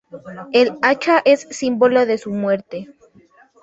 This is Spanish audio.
El hacha es símbolo de su muerte.